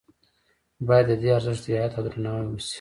باید د دې ارزښت رعایت او درناوی وشي.